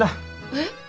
えっ？